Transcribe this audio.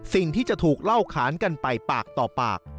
สิ่งที่จะถูกเล่าขานกันไปปากต่อปาก